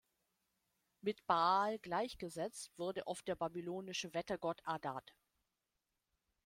Mit Baal gleichgesetzt wurde oft der babylonische Wettergott Adad.